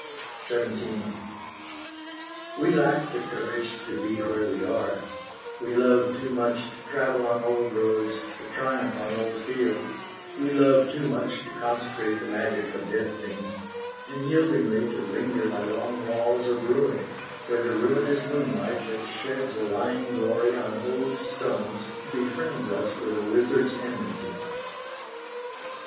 XVII We lack the courage to be where we are: We love too much to travel on old roads, To triumph on old fields; we love too much To consecrate the magic of dead things, And yieldingly to linger by long walls Of ruin, where the ruinous moonlight That sheds a lying glory on old stones Befriends us with a wizard's enmity.